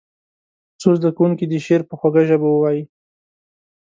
څو زده کوونکي دې شعر په خوږه ژبه ووایي.